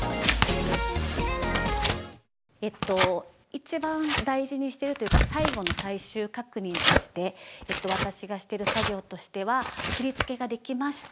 一番大事にしてるというか最後の最終確認として私がしてる作業としては振付ができました。